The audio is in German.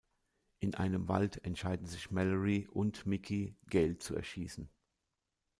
In einem Wald entscheiden sich Mallory und Mickey, Gale zu erschießen.